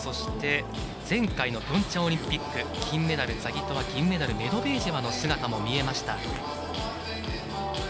前回のピョンチャンオリンピック金メダル、ザギトワ銀メダルのメドベージェワの姿も見えました。